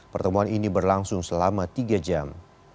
pertemuan ini berlangsung selama tiga jam